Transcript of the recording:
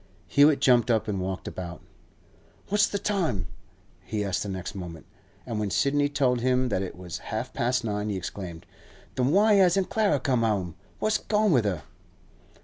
Hewett jumped up and walked about. 'What's the time?' he asked the next moment. And when Sidney told him that it was half past nine, he exclaimed, 'Then why hasn't Clara come 'ome? What's gone with her?